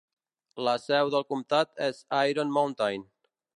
La seu del comtat és Iron Mountain.